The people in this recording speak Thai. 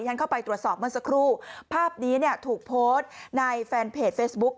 ฉันเข้าไปตรวจสอบเมื่อสักครู่ภาพนี้เนี่ยถูกโพสต์ในแฟนเพจเฟซบุ๊ค